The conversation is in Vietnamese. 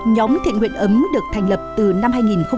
nhóm thiện nguyện ấm được thành lập từ năm hai nghìn một mươi